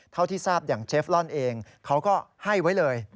เท่าที่ทราบอย่างเชฟลอนเองเขาก็ให้ไว้เลย